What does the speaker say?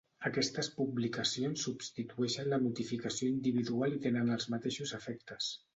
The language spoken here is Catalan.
Aquestes publicacions substitueixen la notificació individual i tenen els mateixos efectes.